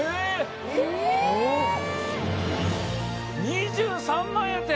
２３万やて。